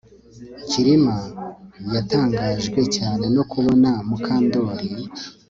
Kirima yatangajwe cyane no kubona Mukandoli